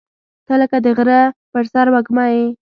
• ته لکه د غره پر سر وږمه یې.